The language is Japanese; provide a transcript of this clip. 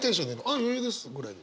「あっ余裕です」ぐらいの？